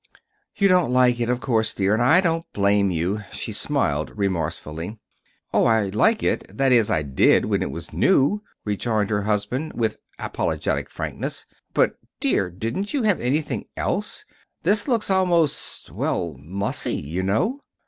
"You don't like it, of course, dear, and I don't blame you," she smiled remorsefully. "Oh, I like it that is, I did, when it was new," rejoined her husband, with apologetic frankness. "But, dear, didn't you have anything else? This looks almost well, mussy, you know."